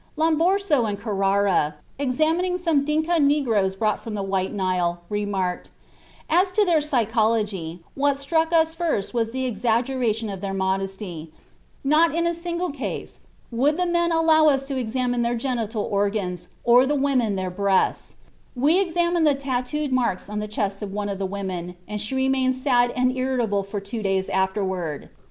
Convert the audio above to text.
(Schweinfurth, Heart of Africa, vol. i, pp. 152, etc.) Lombroso and Carrara, examining some Dinka negroes brought from the White Nile, remark: "As to their psychology, what struck us first was the exaggeration of their modesty; not in a single case would the men allow us to examine their genital organs or the women their breasts; we examined the tattoo marks on the chest of one of the women, and she remained sad and irritable for two days afterward."